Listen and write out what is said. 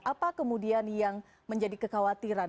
apa kemudian yang menjadi kekhawatiran